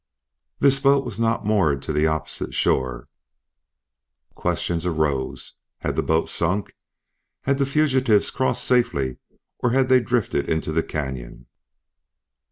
This boat was not moored to the opposite shore. Questions arose. Had the boat sunk? Had the fugitives crossed safely or had they drifted into the canyon?